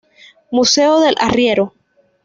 Museo del Arriero.